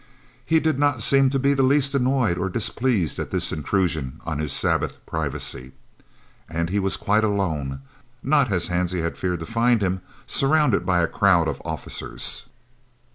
He did not seem to be the least annoyed or displeased at this intrusion on his Sabbath privacy. And he was quite alone not, as Hansie had feared to find him, surrounded by a crowd of officers.